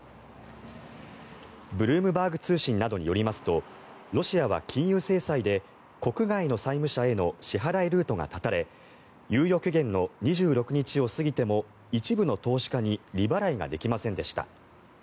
ブルームバーグ通信などによりますとロシアは金融制裁で国外の債務者への支払いルートが断たれ猶予期限の２６日を過ぎても一部の投資家に利払いができませんでした。